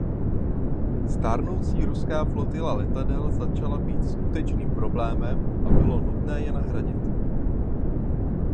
Stárnoucí ruská flotila letadel začala být skutečným problémem a bylo nutné je nahradit.